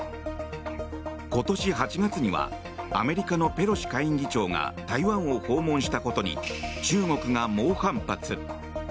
今年８月にはアメリカのペロシ下院議長が台湾を訪問したことに中国が猛反発。